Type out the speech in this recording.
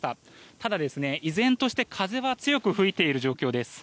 ただ、依然として風は強く吹いている状況です。